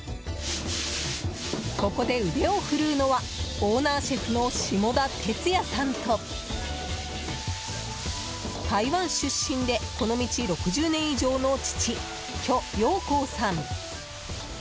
ここで腕を振るうのはオーナーシェフの下田哲也さんと台湾出身でこの道６０年以上の父・許耀庚さん。